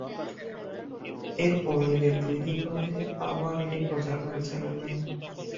এরপর ঈদের দুই দিন বাদে আবার এটি প্রচার করে চ্যানেল নাইন।